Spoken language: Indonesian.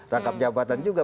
rangkap jabatan juga